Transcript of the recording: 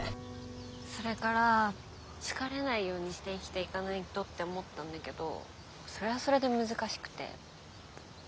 それから好かれないようにして生きていかないとって思ったんだけどそれはそれで難しくて。